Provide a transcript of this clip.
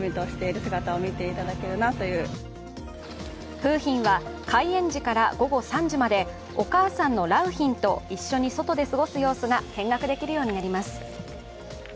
楓浜は開園時から午後３時までお母さんの良浜と一緒に外で過ごす様子が見学できるようになります。